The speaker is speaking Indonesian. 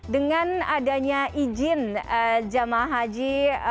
dengan adanya izin jemaah haji enam puluh